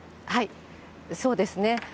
そうですね。